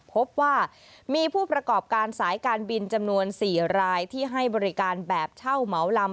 พบว่ามีผู้ประกอบการสายการบินจำนวน๔รายที่ให้บริการแบบเช่าเหมาลำ